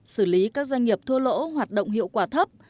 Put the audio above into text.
xử lý các doanh nghiệp thua lỗ hoạt động hiệu quả thấp